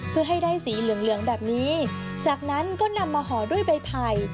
เพื่อให้ได้สีเหลืองเหลืองแบบนี้จากนั้นก็นำมาห่อด้วยใบไผ่